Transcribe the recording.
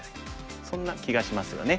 そんな気がしますよね。